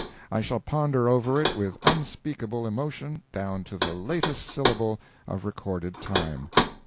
I shall ponder over it with unspeakable emotion down to the latest syllable of recorded time.